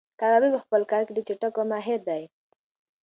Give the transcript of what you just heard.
کبابي په خپل کار کې ډېر چټک او ماهیر دی.